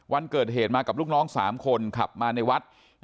วันเกิดเหตุมากับลูกน้อง๓คนขับมาในวัด